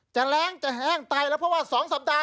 แรงจะแห้งตายแล้วเพราะว่า๒สัปดาห์